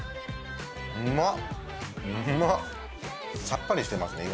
さっぱりしてますね